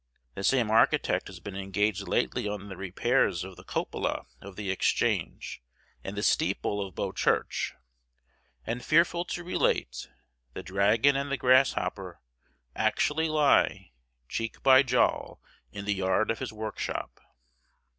The same architect has been engaged lately on the repairs of the cupola of the Exchange and the steeple of Bow Church; and, fearful to relate, the dragon and the grasshopper actually lie, cheek by jole, in the yard of his workshop.